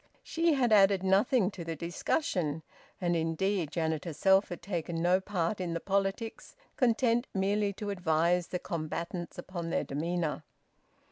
She had added nothing to the discussion. And indeed Janet herself had taken no part in the politics, content merely to advise the combatants upon their demeanour.